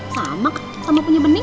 sama sama punya benih